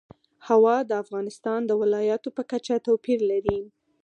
هوا د افغانستان د ولایاتو په کچه توپیر لري.